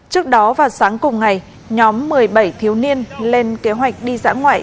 trước đó vào sáng cùng ngày nhóm một mươi bảy thiếu niên lên kế hoạch đi dã ngoại